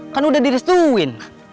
kan udah diristuin